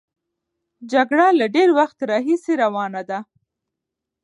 جګړه له ډېر وخت راهیسې روانه ده.